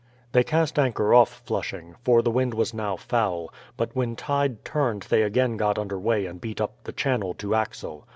They cast anchor off Flushing, for the wind was now foul, but when tide turned they again got under way and beat up the channel to Axel.